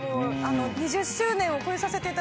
２０周年を越えさせていただいて。